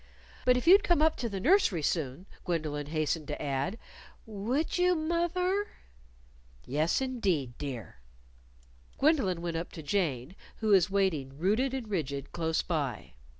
"But if you'd come up to the nursery soon," Gwendolyn hastened to add. "Would you, moth er?" "Yes, indeed, dear." Gwendolyn went up to Jane, who was waiting, rooted and rigid, close by.